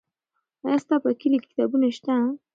آیا ستا په کلي کې کتابتون شته؟